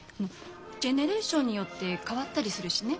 ジェネレーションによって変わったりするしね。